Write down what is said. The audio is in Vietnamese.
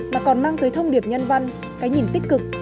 mà còn mang tới thông điệp nhân văn cái nhìn tích cực